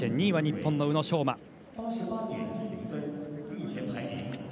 ２位は日本の宇野昌磨。